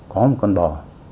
có một con bò